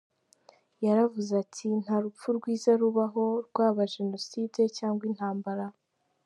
Yaravuze ati: “Nta rupfu rwiza rubaho, rwaba Jenoside cyangwa intambara.